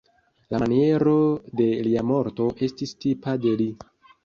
La maniero de lia morto estis tipa de li.